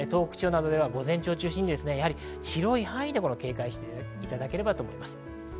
午前中を中心に広い範囲で警戒していただければと思います。